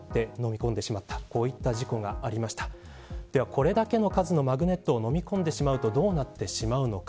これだけの数のマグネットをのみ込んでしまうとどうなってしまうのか。